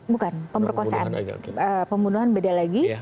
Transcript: bukan pemerkosaan pembunuhan beda lagi